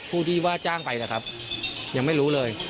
ผู้ที่ว่าจ้างไปนะครับยังไม่รู้เลย